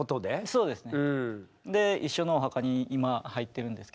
そうですね。